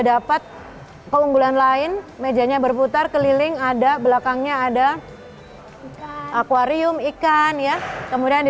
dapat keunggulan lain mejanya berputar keliling ada belakangnya ada akwarium ikan ya kemudian di